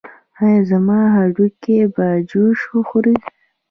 ایا زما هډوکي به جوش وخوري؟